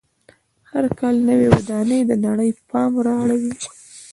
هر کال نوې ودانۍ د نړۍ پام را اړوي.